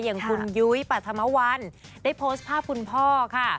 อย่างคุณยุ้ยปรัฐมวัลได้โพสต์ภาพคุณพ่อค่ะ